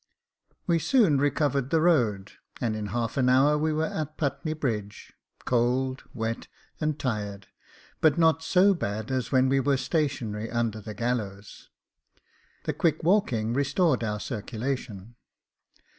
We soon recovered the road, and in half an hour were at Putney Bridge; cold, wet, and tired, but not so bad as when we were stationary under the gallows ; the quick walking restored the circulation.